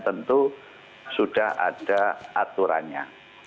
tentu sudah ada aturannya